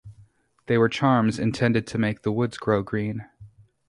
They were charms intended to make the woods grow green.